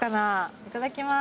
いただきます。